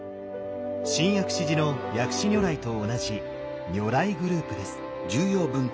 新薬師寺の薬師如来と同じ「如来」グループです。